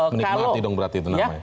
menikmati dong berarti itu namanya